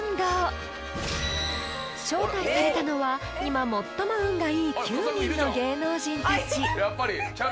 ［招待されたのは今最も運がいい９人の芸能人たち］